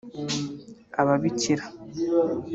ababikira